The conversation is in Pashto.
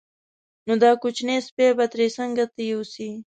خو دا کوچنی سپی به ترې څنګه ته یوسې.